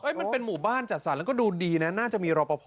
มันเป็นหมู่บ้านจัดสรรแล้วก็ดูดีนะน่าจะมีรอปภ